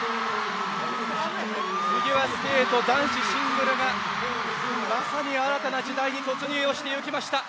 フィギュアスケート男子シングルがまさに新たな時代に突入をしていきました。